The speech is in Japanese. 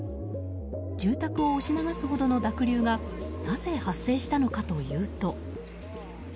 住宅を押し流すほどの濁流がなぜ発生したのかというと。